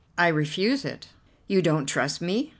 "I refuse it." "You don't trust me?"